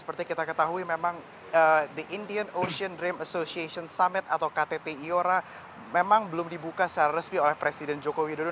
seperti kita ketahui memang the indian ocean dream association summit atau ktt iora memang belum dibuka secara resmi oleh presiden joko widodo